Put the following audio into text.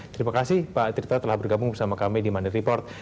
terima kasih pak tirto telah bergabung bersama kami di mandat report